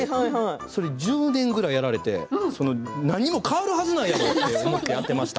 それ１０年ぐらいやられて何も変わるはずないやろって思ってやっていました。